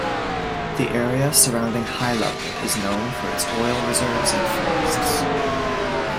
The area surrounding High Level is known for its oil reserves and forests.